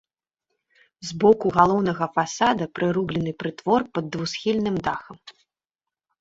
З боку галоўнага фасада прырублены прытвор пад двухсхільным дахам.